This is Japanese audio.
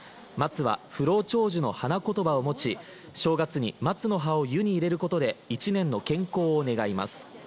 松は不老長寿の花言葉を持ち、正月に松の葉を湯に入れることで１年の健康を願います。